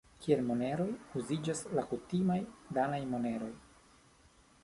Kiel moneroj uziĝas la kutimaj danaj moneroj.